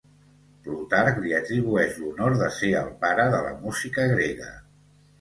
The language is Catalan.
Plutarc li atribueix l'honor de ser el pare de la música grega.